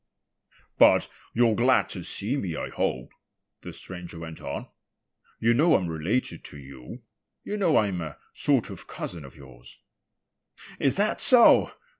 "But you're glad to see me, I hope," the stranger went on. "You know I'm related to you. You know I'm a sort of cousin of yours." "Is that so?"